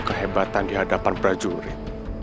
kehebatan di hadapan prajurit